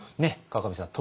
河上さん。